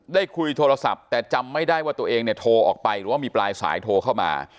ได้คุยโทรศัพท์แต่จำไม่ได้ว่าตัวเองเนี่ยโทรออกไปหรือว่ามีปลายสายโทรเข้ามา